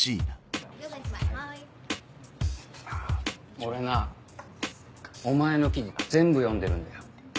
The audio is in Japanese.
俺なお前の記事全部読んでるんだよ。